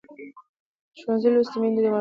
ښوونځې لوستې میندې د ماشومانو روغتیا څاري.